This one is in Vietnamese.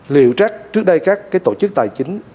liệu trước đây các tổ chức tài chính